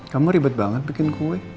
kamu ribet banget bikin kue